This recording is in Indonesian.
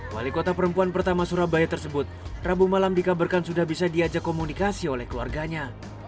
wali kota perempuan pertama surabaya tersebut rabu malam dikabarkan sudah bisa diajak komunikasi oleh keluarganya